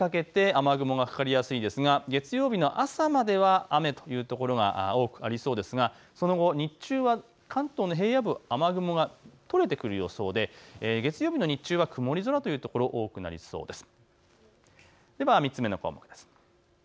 そのあと月曜日にかけて雨雲がかかりやすいですが月曜日の朝までは雨という所が多くありそうですがその後、日中は関東の平野部、雨雲が取れてくる予想で月曜日の日中は曇り空という所多くなりそうです。